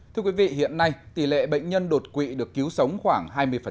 thưa quý vị hiện nay tỷ lệ bệnh nhân đột quỵ được cứu sống khoảng hai mươi